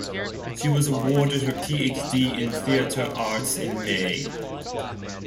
She was awarded her Ph.D. in Theatre Arts in May.